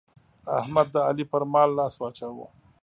احمد د علي پر مال لاس واچاوو.